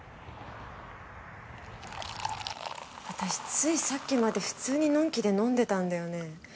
私ついさっきまで普通にＮＯＮＫＩで飲んでたんだよね